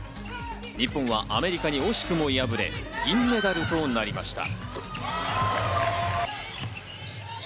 日本はアメリカに惜しくも敗れ、銀メダルとなりました。